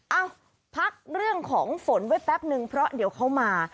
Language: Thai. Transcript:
เอ้าพักเรื่องของฝนไว้แป๊บนึงเพราะเดี๋ยวเขามา